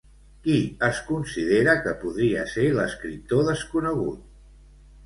Qui es considera que podria ser l'escriptor desconegut?